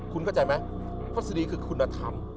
คุณเข้าใจไหมทัศดีคือคุณธรรม